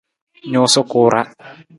Nuusa ku ra.